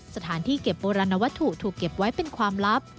สถานที่เก็บโบราณวัตถุถูกเก็บไว้เป็นความลับ